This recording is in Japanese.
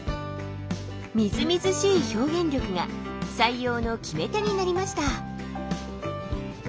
みずみずしい表現力が採用の決め手になりました。